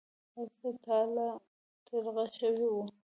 هرڅه تالا ترغه شوي و.